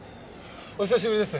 お久しぶりです。